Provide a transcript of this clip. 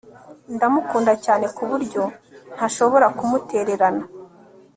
Ndamukunda cyane kuburyo ntashobora kumutererana